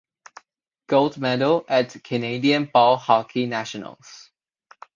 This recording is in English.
Gold Medal at Canadian Ball Hockey Nationals.